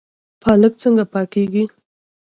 پالک څنګه پاکیږي؟